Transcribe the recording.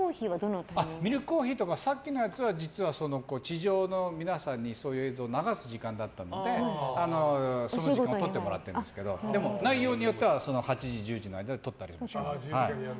ミルクコーヒーとかさっきのやつは地上の皆さんにそういう映像を流す時間だったので、時間をとってもらってるんですけど内容によっては８時、１０時の間に撮ったりとか。